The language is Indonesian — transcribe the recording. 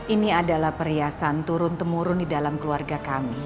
ini adalah perhiasan turun temurun di dalam keluarga kami